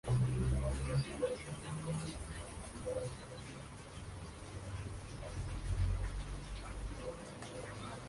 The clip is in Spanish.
El título ha estado en uso desde aquel entonces.